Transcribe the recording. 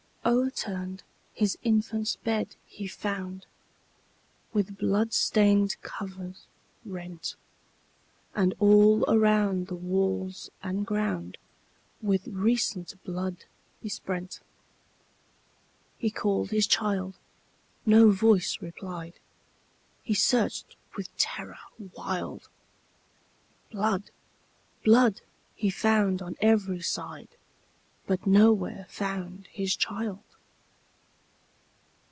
O'erturned his infant's bed he found, With blood stained covert rent; And all around the walls and groundWith recent blood besprent. He called his child,—no voice replied,—He searched with terror wild; Blood, blood, he found on every side, But nowhere found his child.